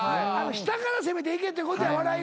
下から攻めていけってことや笑いは。